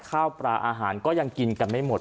ข้าวปลาอาหารก็ยังกินกันไม่หมด